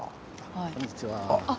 こんにちは。